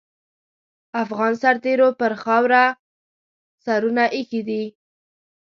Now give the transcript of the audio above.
افغان سرتېرو پر خاوره سرونه اېښي دي.